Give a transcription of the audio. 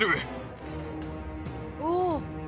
おお！